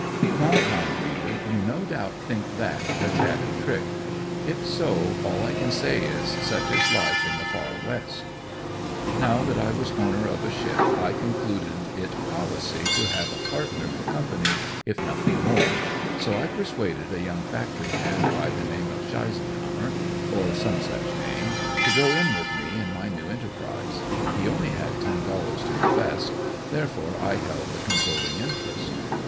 Now kind reader you no doubt think that a shabby trick. If so, all I can say is "such is life in the far west." Now that I was owner of a ship I concluded it policy to have a partner for company if nothing more, so I persuaded a young factory hand by the name of Sheiseinhamer or some such name to go in with me in my new enterprise. He only had ten dollars to invest, therefore I held the controlling interest.